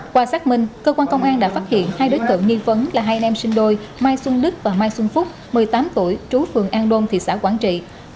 qua xác minh cơ quan công an đã phát hiện hai đối tượng nghi vấn là hai em sinh đôi mai xuân đức và mai xuân phúc một mươi tám tuổi trú phường an đôn thị xã quảng trị